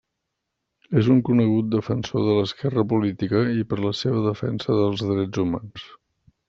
És un conegut defensor de l'esquerra política i per la seva defensa dels drets humans.